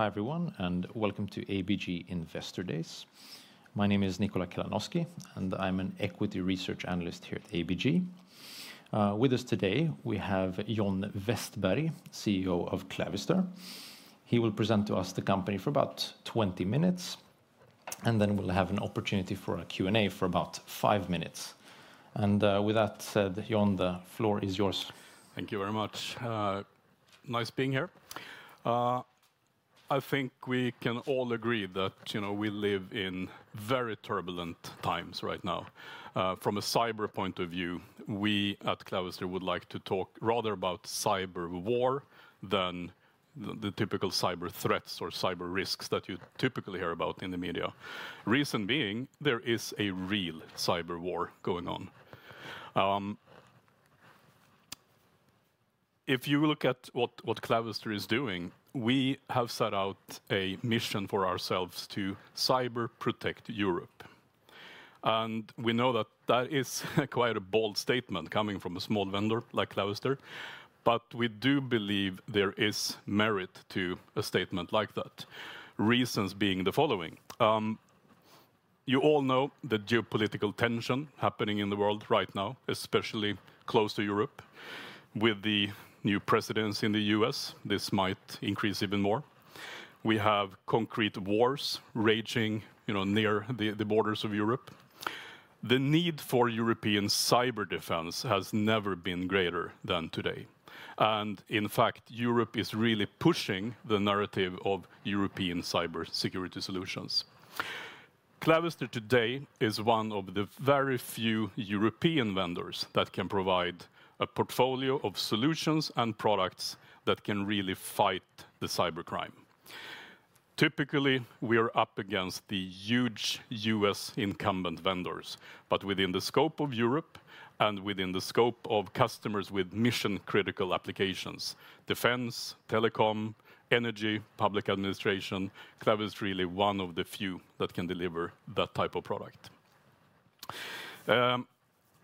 Hi everyone, and welcome to ABG Investor Days. My name is Nikola Kalanoski, and I'm an equity research analyst here at ABG. With us today, we have John Vestberg, CEO of Clavister. He will present to us the company for about 20 minutes, and then we'll have an opportunity for a Q&A for about five minutes. And with that said, John, the floor is yours. Thank you very much. Nice being here. I think we can all agree that we live in very turbulent times right now. From a cyber point of view, we at Clavister would like to talk rather about cyber war than the typical cyber threats or cyber risks that you typically hear about in the media. Reason being, there is a real cyber war going on. If you look at what Clavister is doing, we have set out a mission for ourselves to cyber protect Europe. And we know that that is quite a bold statement coming from a small vendor like Clavister, but we do believe there is merit to a statement like that. Reasons being the following. You all know the geopolitical tension happening in the world right now, especially close to Europe. With the new presidents in the US, this might increase even more. We have concrete wars raging near the borders of Europe. The need for European cyber defense has never been greater than today. And in fact, Europe is really pushing the narrative of European cybersecurity solutions. Clavister today is one of the very few European vendors that can provide a portfolio of solutions and products that can really fight the cybercrime. Typically, we are up against the huge US incumbent vendors, but within the scope of Europe and within the scope of customers with mission critical applications, defense, telecom, energy, public administration, Clavister is really one of the few that can deliver that type of product.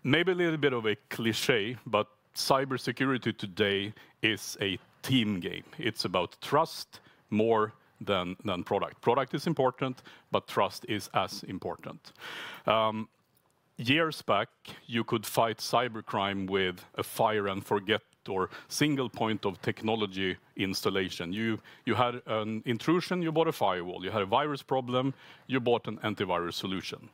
Maybe a little bit of a cliché, but cybersecurity today is a team game. It's about trust more than product. Product is important, but trust is as important. Years back, you could fight cyber crime with a fire and forget or single point of technology installation. You had an intrusion, you bought a firewall, you had a virus problem, you bought an antivirus solution.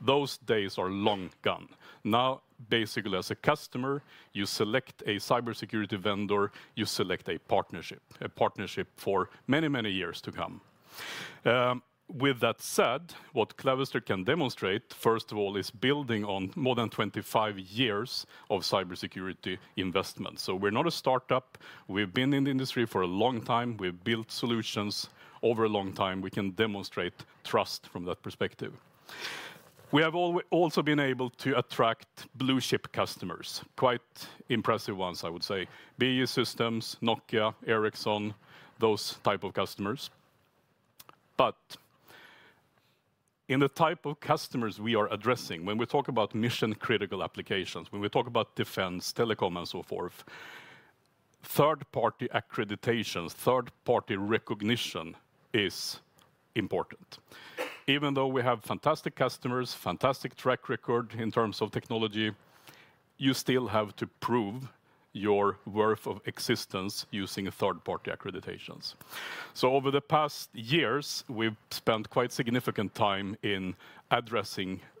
Those days are long gone. Now, basically as a customer, you select a cybersecurity vendor, you select a partnership, a partnership for many, many years to come. With that said, what Clavister can demonstrate, first of all, is building on more than 25 years of cybersecurity investments. So we're not a startup. We've been in the industry for a long time. We've built solutions over a long time. We can demonstrate trust from that perspective. We have also been able to attract blue chip customers, quite impressive ones, I would say. BAE Systems, Nokia, Ericsson, those types of customers. But in the type of customers we are addressing, when we talk about mission critical applications, when we talk about defense, telecom, and so forth, third party accreditations, third party recognition is important. Even though we have fantastic customers, fantastic track record in terms of technology, you still have to prove your worth of existence using third party accreditations. So over the past years, we've spent quite significant time in addressing accreditations.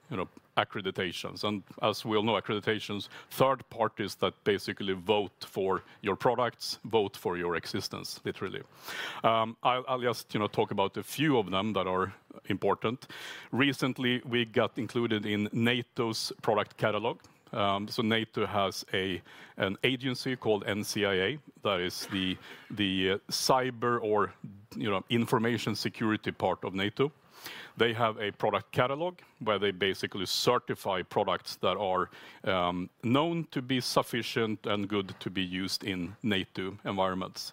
And as we all know, accreditations, third parties that basically vote for your products, vote for your existence, literally. I'll just talk about a few of them that are important. Recently, we got included in NATO's product catalog. So NATO has an agency called NCIA that is the cyber or information security part of NATO. They have a product catalog where they basically certify products that are known to be sufficient and good to be used in NATO environments.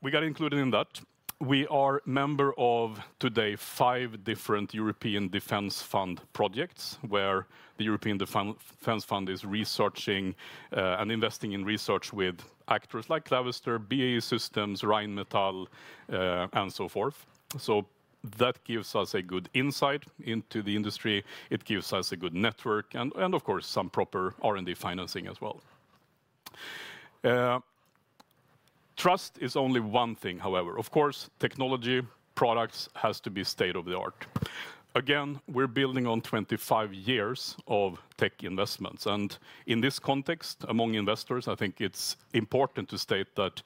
We got included in that. We are a member of today's five different European Defence Fund projects where the European Defence Fund is researching and investing in research with actors like Clavister, BAE Systems, Rheinmetall, and so forth. So that gives us a good insight into the industry. It gives us a good network and, of course, some proper R&D financing as well. Trust is only one thing, however. Of course, technology products have to be state of the art. Again, we're building on 25 years of tech investments. And in this context, among investors, I think it's important to state that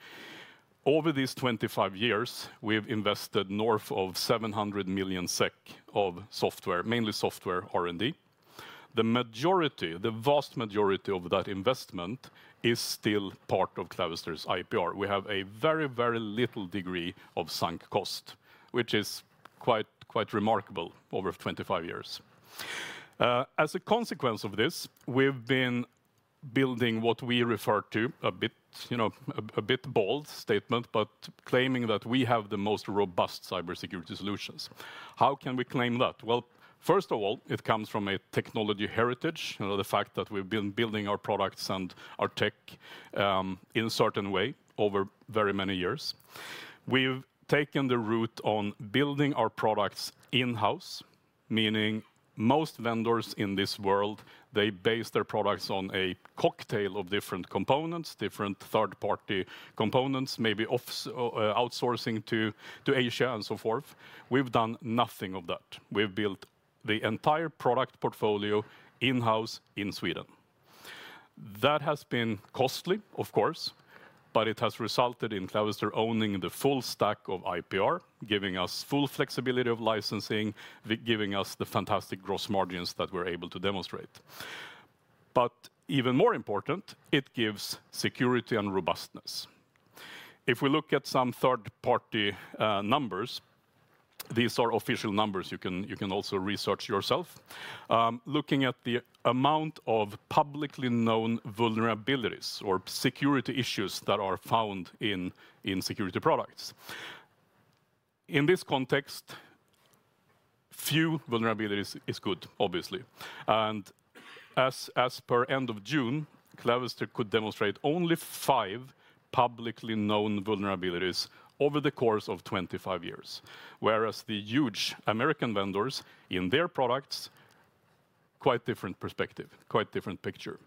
over these 25 years, we've invested north of 700 million SEK of software, mainly software R&D. The majority, the vast majority of that investment is still part of Clavister's IPR. We have a very, very little degree of sunk cost, which is quite remarkable over 25 years. As a consequence of this, we've been building what we refer to, a bit bold statement, but claiming that we have the most robust cybersecurity solutions. How can we claim that? Well, first of all, it comes from a technology heritage, the fact that we've been building our products and our tech in a certain way over very many years. We've taken the route on building our products in-house, meaning most vendors in this world, they base their products on a cocktail of different components, different third party components, maybe outsourcing to Asia and so forth. We've done nothing of that. We've built the entire product portfolio in-house in Sweden. That has been costly, of course, but it has resulted in Clavister owning the full stack of IPR, giving us full flexibility of licensing, giving us the fantastic gross margins that we're able to demonstrate. But even more important, it gives security and robustness. If we look at some third party numbers, these are official numbers you can also research yourself, looking at the amount of publicly known vulnerabilities or security issues that are found in security products. In this context, few vulnerabilities is good, obviously. And as per end of June, Clavister could demonstrate only five publicly known vulnerabilities over the course of 25 years, whereas the huge American vendors in their products, quite different perspective, quite different picture.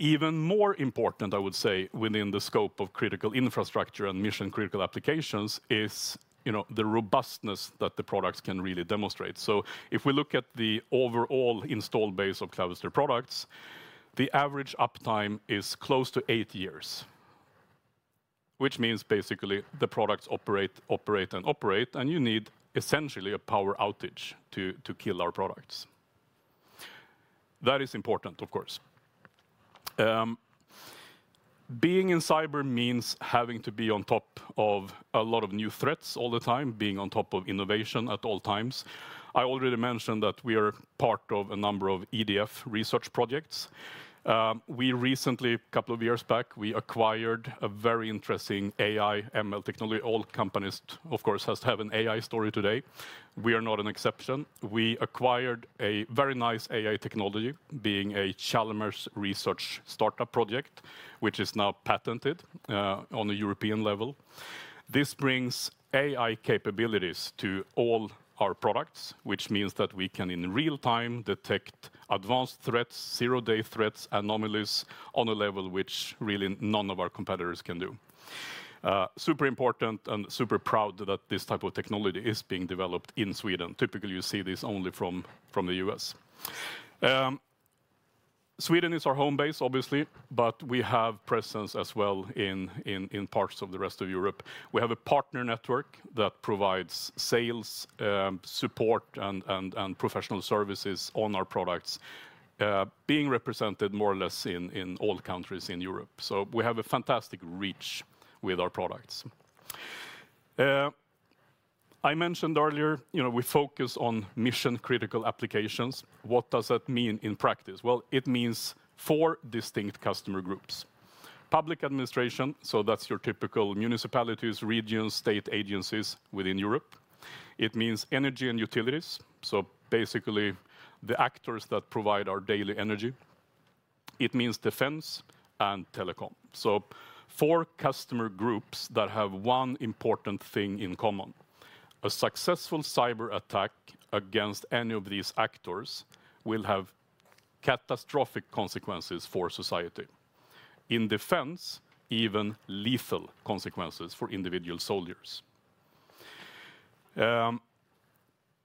Even more important, I would say, within the scope of critical infrastructure and mission critical applications is the robustness that the products can really demonstrate. So if we look at the overall install base of Clavister products, the average uptime is close to eight years, which means basically the products operate and operate, and you need essentially a power outage to kill our products. That is important, of course. Being in cyber means having to be on top of a lot of new threats all the time, being on top of innovation at all times. I already mentioned that we are part of a number of EDF research projects. We recently, a couple of years back, we acquired a very interesting AI, ML technology. All companies, of course, have an AI story today. We are not an exception. We acquired a very nice AI technology, being a Chalmers research startup project, which is now patented on a European level. This brings AI capabilities to all our products, which means that we can in real time detect advanced threats, zero-day threats, anomalies on a level which really none of our competitors can do. Super important and super proud that this type of technology is being developed in Sweden. Typically, you see this only from the U.S. Sweden is our home base, obviously, but we have presence as well in parts of the rest of Europe. We have a partner network that provides sales support and professional services on our products, being represented more or less in all countries in Europe. So we have a fantastic reach with our products. I mentioned earlier, we focus on mission critical applications. What does that mean in practice? Well, it means four distinct customer groups. Public administration, so that's your typical municipalities, regions, state agencies within Europe. It means energy and utilities, so basically the actors that provide our daily energy. It means defense and telecom. So four customer groups that have one important thing in common. A successful cyber attack against any of these actors will have catastrophic consequences for society. In defense, even lethal consequences for individual soldiers.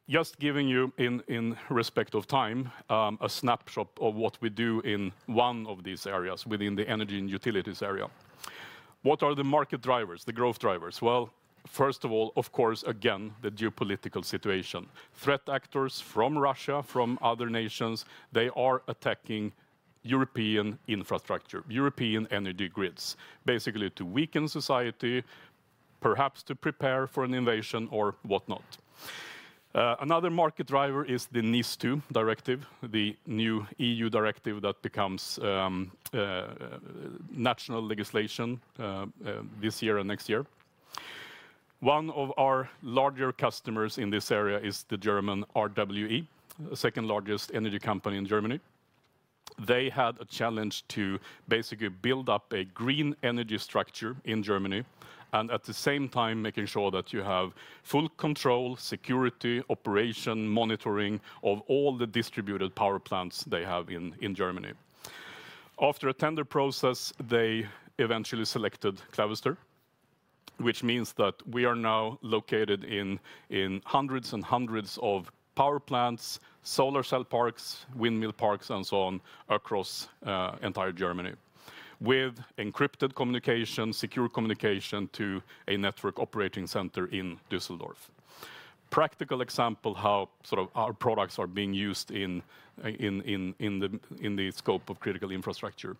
Just giving you, in respect of time, a snapshot of what we do in one of these areas within the energy and utilities area. What are the market drivers, the growth drivers? Well, first of all, of course, again, the geopolitical situation. Threat actors from Russia, from other nations, they are attacking European infrastructure, European energy grids, basically to weaken society, perhaps to prepare for an invasion or whatnot. Another market driver is the NIS2 Directive, the new EU directive that becomes national legislation this year and next year. One of our larger customers in this area is the German RWE, the second largest energy company in Germany. They had a challenge to basically build up a green energy structure in Germany and at the same time making sure that you have full control, security, operation, monitoring of all the distributed power plants they have in Germany. After a tender process, they eventually selected Clavister, which means that we are now located in hundreds and hundreds of power plants, solar cell parks, windmill parks, and so on across entire Germany, with encrypted communication, secure communication to a network operating center in Düsseldorf. Practical example of how our products are being used in the scope of critical infrastructure,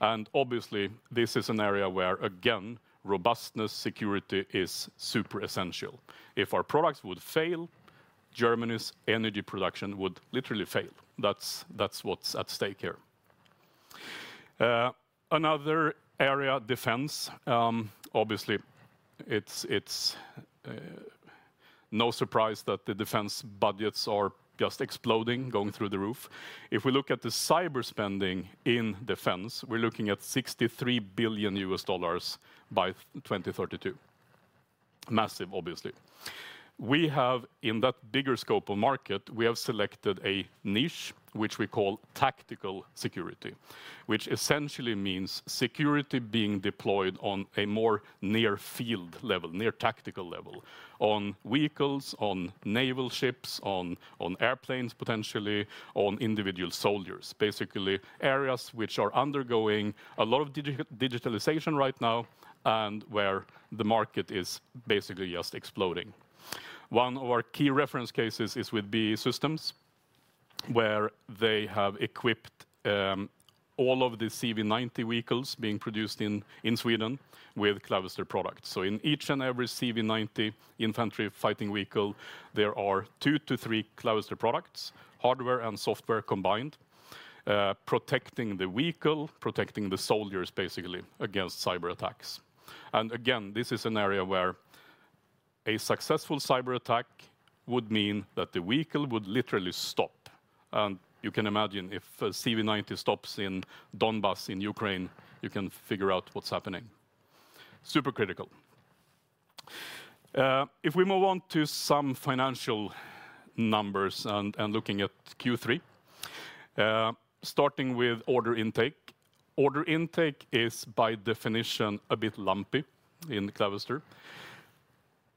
and obviously, this is an area where, again, robustness, security is super essential. If our products would fail, Germany's energy production would literally fail. That's what's at stake here. Another area, defense. Obviously, it's no surprise that the defense budgets are just exploding, going through the roof. If we look at the cyber spending in defense, we're looking at $63 billion by 2032. Massive, obviously. We have, in that bigger scope of market, we have selected a niche, which we call tactical security, which essentially means security being deployed on a more near field level, near tactical level, on vehicles, on naval ships, on airplanes potentially, on individual soldiers. Basically, areas which are undergoing a lot of digitalization right now and where the market is basically just exploding. One of our key reference cases is with BAE Systems, where they have equipped all of the CV90 vehicles being produced in Sweden with Clavister products. So in each and every CV90 infantry fighting vehicle, there are two to three Clavister products, hardware and software combined, protecting the vehicle, protecting the soldiers basically against cyber attacks. And again, this is an area where a successful cyber attack would mean that the vehicle would literally stop. And you can imagine if CV90 stops in Donbas in Ukraine, you can figure out what's happening. Super critical. If we move on to some financial numbers and looking at Q3, starting with order intake. Order intake is by definition a bit lumpy in Clavister.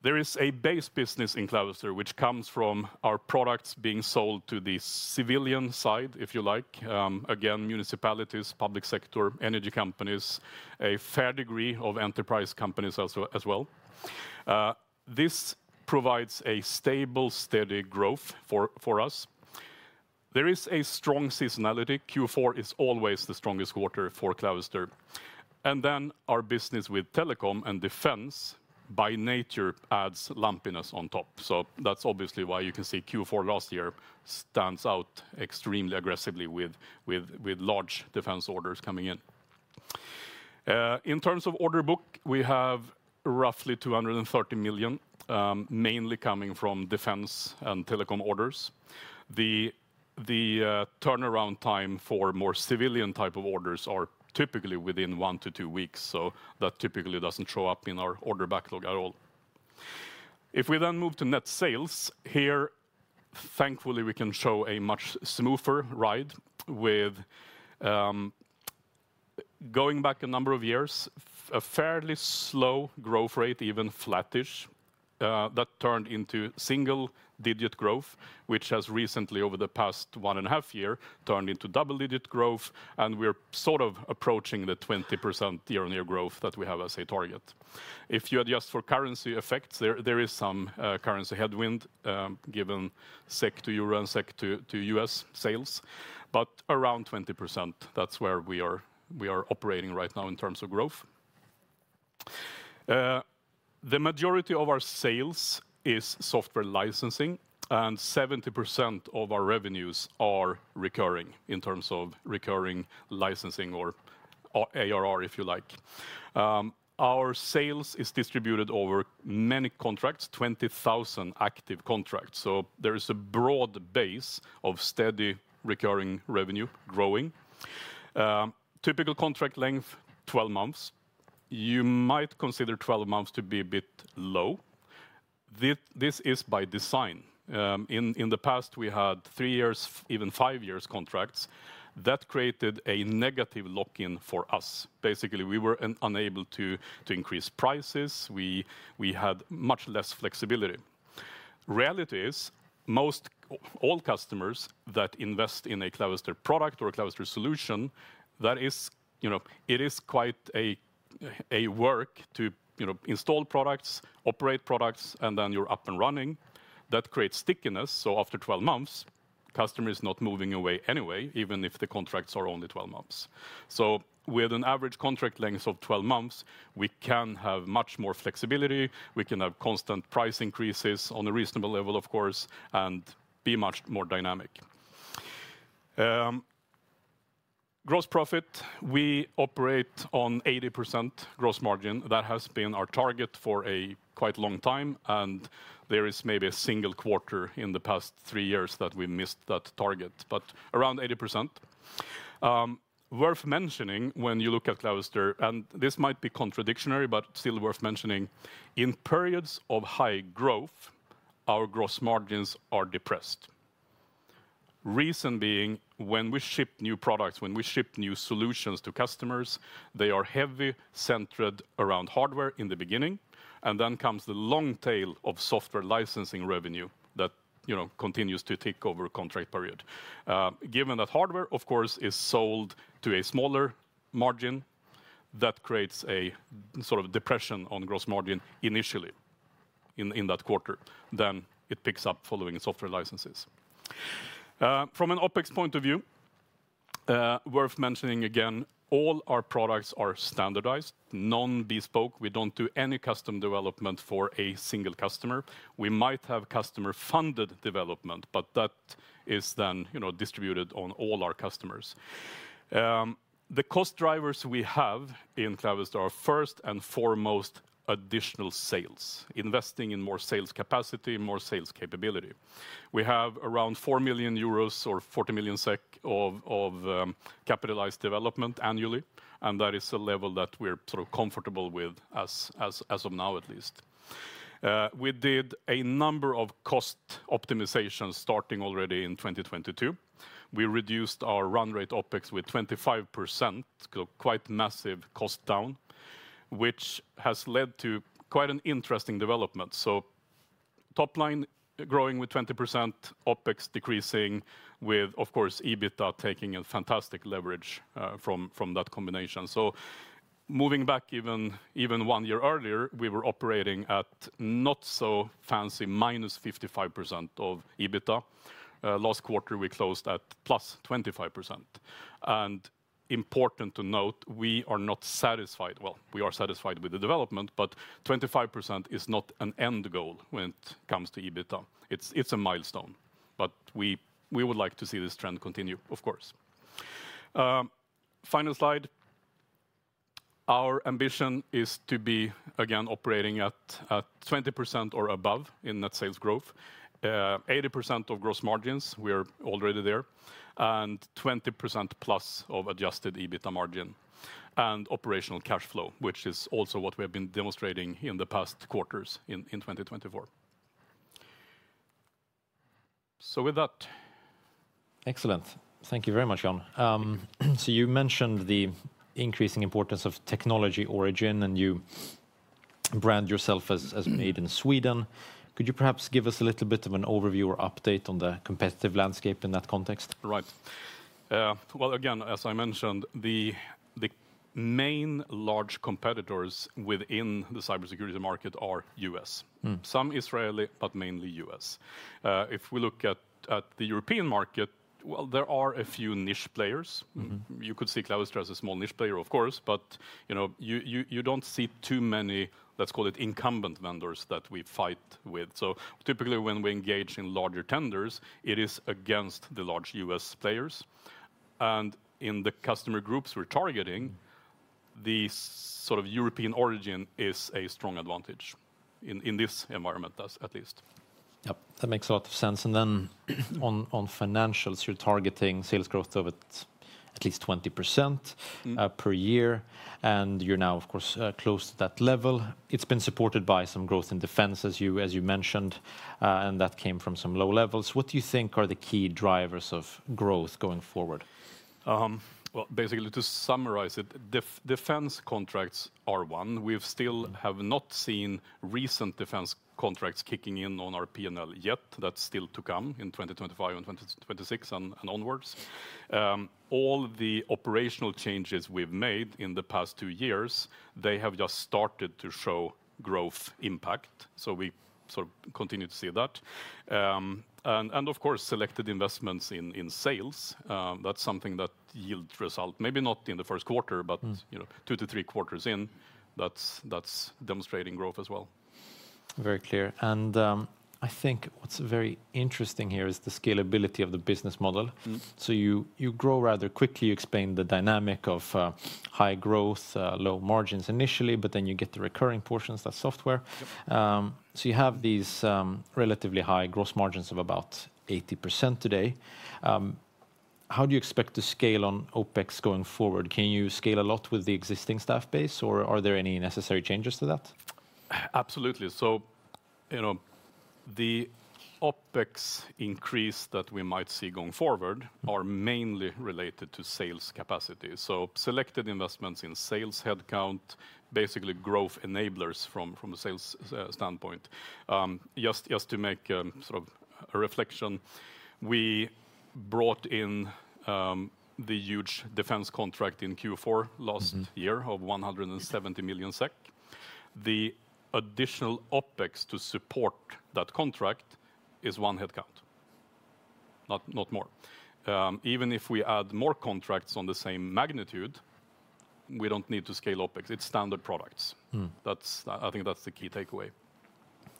There is a base business in Clavister, which comes from our products being sold to the civilian side, if you like. Again, municipalities, public sector, energy companies, a fair degree of enterprise companies as well. This provides a stable, steady growth for us. There is a strong seasonality. Q4 is always the strongest quarter for Clavister. And then our business with telecom and defense by nature adds lumpiness on top. So that's obviously why you can see Q4 last year stands out extremely aggressively with large defense orders coming in. In terms of order book, we have roughly 230 million, mainly coming from defense and telecom orders. The turnaround time for more civilian type of orders are typically within one to two weeks, so that typically doesn't show up in our order backlog at all. If we then move to net sales here, thankfully we can show a much smoother ride with going back a number of years, a fairly slow growth rate, even flattish, that turned into single digit growth, which has recently, over the past one and a half year, turned into double digit growth, and we're sort of approaching the 20% year-on-year growth that we have as a target. If you adjust for currency effects, there is some currency headwind given SEK to euro and SEK to US sales, but around 20%, that's where we are operating right now in terms of growth. The majority of our sales is software licensing, and 70% of our revenues are recurring in terms of recurring licensing or ARR, if you like. Our sales is distributed over many contracts, 20,000 active contracts. So there is a broad base of steady recurring revenue growing. Typical contract length, 12 months. You might consider 12 months to be a bit low. This is by design. In the past, we had three years, even five years contracts that created a negative lock-in for us. Basically, we were unable to increase prices. We had much less flexibility. Reality is most all customers that invest in a Clavister product or a Clavister solution, that is quite a work to install products, operate products, and then you're up and running. That creates stickiness. So after 12 months, customer is not moving away anyway, even if the contracts are only 12 months. So with an average contract length of 12 months, we can have much more flexibility. We can have constant price increases on a reasonable level, of course, and be much more dynamic. Gross profit, we operate on 80% gross margin. That has been our target for a quite long time, and there is maybe a single quarter in the past three years that we missed that target, but around 80%. Worth mentioning when you look at Clavister, and this might be contradictory, but still worth mentioning, in periods of high growth, our gross margins are depressed. Reason being, when we ship new products, when we ship new solutions to customers, they are heavily centered around hardware in the beginning, and then comes the long tail of software licensing revenue that continues to tick over contract period. Given that hardware, of course, is sold to a smaller margin, that creates a sort of depression on gross margin initially in that quarter. Then it picks up following software licenses. From an OpEx point of view, worth mentioning again, all our products are standardized, non-bespoke. We don't do any custom development for a single customer. We might have customer-funded development, but that is then distributed on all our customers. The cost drivers we have in Clavister are first and foremost additional sales, investing in more sales capacity, more sales capability. We have around 4 million euros or 40 million SEK of capitalized development annually, and that is a level that we're sort of comfortable with as of now, at least. We did a number of cost optimizations starting already in 2022. We reduced our run rate OpEx with 25%, quite massive cost down, which has led to quite an interesting development. So top line growing with 20%, OpEx decreasing with, of course, EBITDA taking a fantastic leverage from that combination. So moving back even one year earlier, we were operating at not so fancy minus 55% of EBITDA. Last quarter, we closed at plus 25%. And important to note, we are not satisfied. Well, we are satisfied with the development, but 25% is not an end goal when it comes to EBITDA. It's a milestone, but we would like to see this trend continue, of course. Final slide. Our ambition is to be, again, operating at 20% or above in net sales growth, 80% of gross margins. We are already there, and 20% plus of adjusted EBITDA margin and operational cash flow, which is also what we have been demonstrating in the past quarters in 2024. So with that. Excellent. Thank you very much, John. So you mentioned the increasing importance of technology origin, and you brand yourself as made in Sweden. Could you perhaps give us a little bit of an overview or update on the competitive landscape in that context? Right. Well, again, as I mentioned, the main large competitors within the cybersecurity market are US, some Israeli, but mainly US. If we look at the European market, well, there are a few niche players. You could see Clavister as a small niche player, of course, but you don't see too many, let's call it incumbent vendors that we fight with. So typically, when we engage in larger tenders, it is against the large U.S. players. And in the customer groups we're targeting, the sort of European origin is a strong advantage in this environment, at least. Yep, that makes a lot of sense. And then on financials, you're targeting sales growth of at least 20% per year, and you're now, of course, close to that level. It's been supported by some growth in defense, as you mentioned, and that came from some low levels. What do you think are the key drivers of growth going forward? Well, basically, to summarize it, defense contracts are one. We still have not seen recent defense contracts kicking in on our P&L yet. That's still to come in 2025 and 2026 and onwards. All the operational changes we've made in the past two years, they have just started to show growth impact. So we sort of continue to see that, and of course, selected investments in sales, that's something that yields result, maybe not in the first quarter, but two to three quarters in, that's demonstrating growth as well. Very clear. I think what's very interesting here is the scalability of the business model. So you grow rather quickly. You explain the dynamic of high growth, low margins initially, but then you get the recurring portions, that software. So you have these relatively high gross margins of about 80% today. How do you expect to scale on OpEx going forward? Can you scale a lot with the existing staff base, or are there any necessary changes to that? Absolutely. So the OpEx increase that we might see going forward are mainly related to sales capacity. So selected investments in sales headcount, basically growth enablers from a sales standpoint. Just to make a sort of reflection, we brought in the huge defense contract in Q4 last year of 170 million SEK. The additional OpEx to support that contract is one headcount, not more. Even if we add more contracts on the same magnitude, we don't need to scale OpEx. It's standard products. I think that's the key takeaway.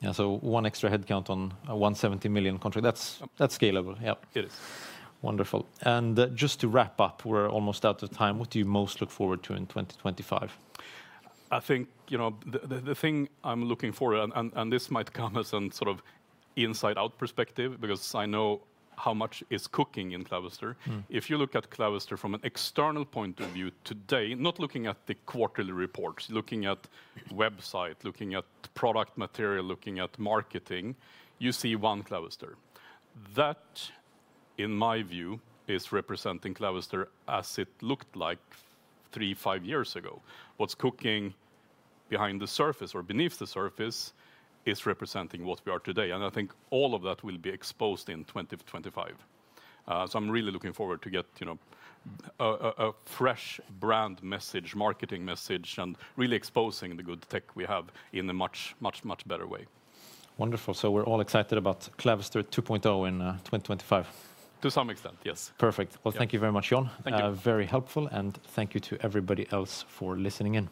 Yeah, so one extra headcount on 170 million contract. That's scalable. Yeah. It is. Wonderful. And just to wrap up, we're almost out of time. What do you most look forward to in 2025? I think the thing I'm looking forward to, and this might come as an inside-out perspective because I know how much is cooking in Clavister. If you look at Clavister from an external point of view today, not looking at the quarterly reports, looking at website, looking at product material, looking at marketing, you see one Clavister. That, in my view, is representing Clavister as it looked like three, five years ago. What's cooking behind the surface or beneath the surface is representing what we are today. And I think all of that will be exposed in 2025. So I'm really looking forward to get a fresh brand message, marketing message, and really exposing the good tech we have in a much, much, much better way. Wonderful. So we're all excited about Clavister 2.0 in 2025. To some extent, yes. Perfect. Well, thank you very much, John. Thank you. Very helpful. And thank you to everybody else for listening in.